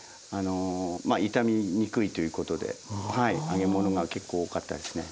傷みにくいということで揚げ物が結構多かったですね。